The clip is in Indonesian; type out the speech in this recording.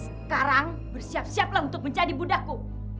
sekarang bersiap siap lah untuk menjadi budaku